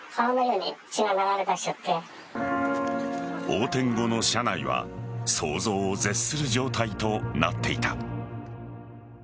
横転後の車内は想像を絶する状態となっていた。